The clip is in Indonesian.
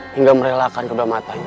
hingga merelakan kudamatanya